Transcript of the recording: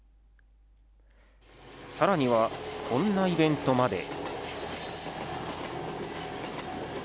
さらにはこんなイベントまで。